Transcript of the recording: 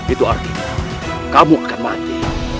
itu artinya kamu akan mati